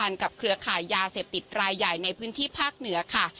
กับเครือขายยาเสพติดรายใหญ่ในพื้นที่ภาคเหนือค่ะ